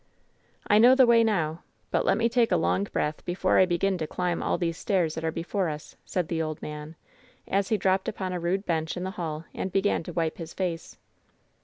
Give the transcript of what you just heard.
"I know the way now I But let me take a long breath before I begin to climb all these stairs that are before us I" said the old man, as he dropped upon a rude bench in the hall and began to wipe his face.